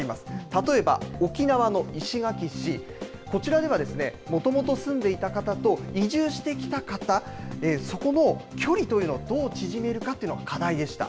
例えば沖縄の石垣市、こちらでは、もともと住んでいた方と移住してきた方、そこの距離というのを、どう縮めるかっていうのが課題でした。